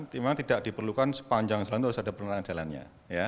memang tidak diperlukan sepanjang jalan itu harus ada penerangan jalannya